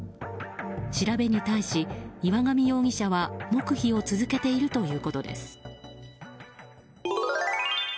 調べに対し、岩上容疑者は黙秘を続けているということです。